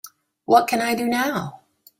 what can I do now?